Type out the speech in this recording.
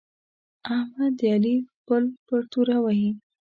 احمد د علي پل پر توره وهي.